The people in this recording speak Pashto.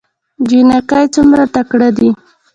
جينکۍ څومره تکړه دي